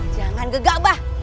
jangan gegak bah